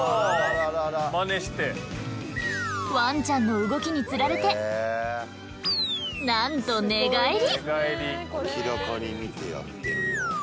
ワンちゃんの動きにつられてなんと寝返り。